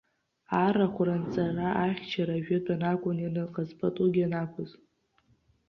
Арахә ранҵара, ахьчара, ажәытәан акәын ианыҟаз, патугьы анақәыз.